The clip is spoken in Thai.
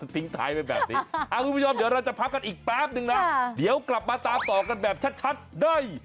ทิ้งท้ายไว้แบบนี้คุณผู้ชมเดี๋ยวเราจะพักกันอีกแป๊บนึงนะเดี๋ยวกลับมาตามต่อกันแบบชัดได้